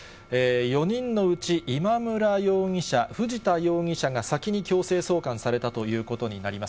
４人のうち今村容疑者、藤田容疑者が先に強制送還されたということになります。